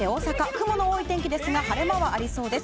雲の多い天気ですが晴れ間はありそうです。